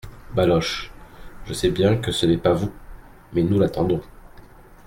Baloche ,— Je sais bien que ce n’est pas vous ! mais nous l’attendons.